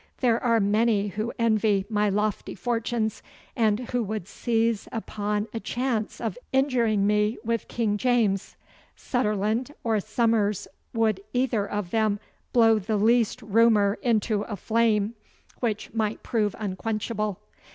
There are many who envy my lofty fortunes, and who would seize upon a chance of injuring me with King James. Sunderland or Somers would either of them blow the least rumour into a flame which might prove unquenchable.